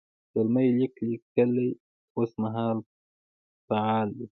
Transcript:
زلمی لیک لیکي اوس مهال فعل دی.